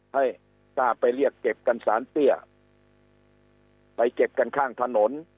ให้กล้าไปเรียกเก็บกันสารเตี้ยไปเก็บกันข้างถนน